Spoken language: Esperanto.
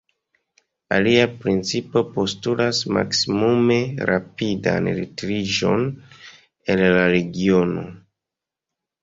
Alia principo postulas maksimume rapidan retiriĝon el la regiono.